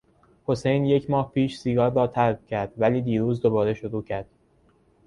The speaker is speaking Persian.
حسین یک ماه پیش سیگار را ترک کرد ولی دیروز دوباره شروع کرد.